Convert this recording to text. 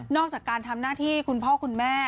จากการทำหน้าที่คุณพ่อคุณแม่